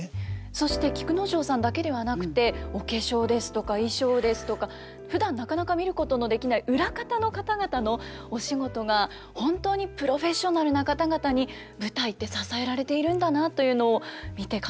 そして菊之丞さんだけではなくてお化粧ですとか衣装ですとかふだんなかなか見ることのできない裏方の方々のお仕事が本当にプロフェッショナルな方々に舞台って支えられているんだなというのを見て感じましたよね。